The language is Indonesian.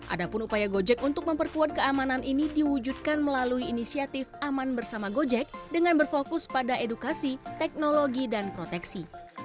adapun upaya gojek untuk memperkuat keamanan ini diwujudkan melalui inisiatif aman bersama gojek dengan berfokus pada edukasi teknologi dan proteksi